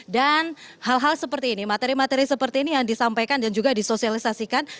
dan hal hal seperti ini materi materi seperti ini yang disampaikan dan juga disosialisasikan